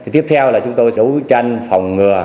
tiếp theo là chúng tôi giấu tranh phòng ngừa